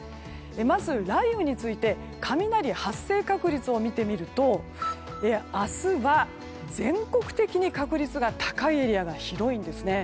まず雷雨について雷発生確率を見てみると明日は、全国的に確率が高いエリアが広いんですね。